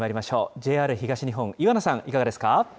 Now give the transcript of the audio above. ＪＲ東日本、岩名さん、いかがですか。